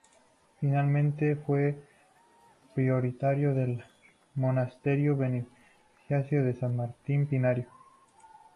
Finalmente fue priorato del monasterio benedictino de San Martín Pinario.